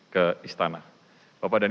ke istana bapak dan